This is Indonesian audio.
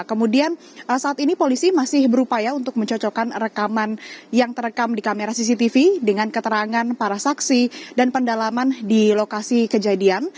kemudian saat ini polisi masih berupaya untuk mencocokkan rekaman yang terekam di kamera cctv dengan keterangan para saksi dan pendalaman di lokasi kejadian